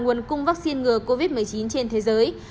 nguồn cung vaccine ngừa covid một mươi chín trên thế giới